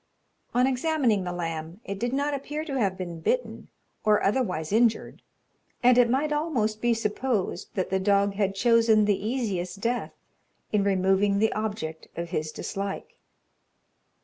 On examining the lamb, it did not appear to have been bitten, or otherwise injured; and it might almost be supposed that the dog had chosen the easiest death in removing the object of his dislike.